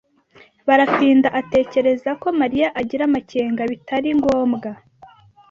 Barafinda atekereza ko Mariya agira amakenga bitari ngombwa.